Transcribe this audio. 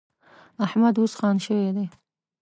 احمد اوس خان شوی دی.